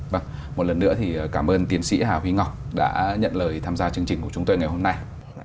vâng một lần nữa thì cảm ơn tiến sĩ hà huy ngọc đã nhận lời tham gia chương trình của chúng tôi ngày hôm nay